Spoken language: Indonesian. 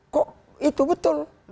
kok itu betul